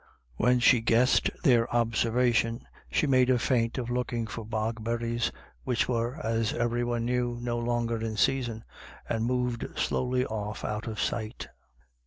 When she guessed their observation, she made a feint of looking for bogberries, which were, as every one knew, no longer in season, and moved slowly off out of sight.